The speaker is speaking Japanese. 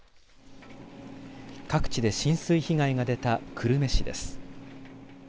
各地で浸水被害が出た久留米市です。